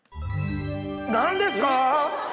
何ですか？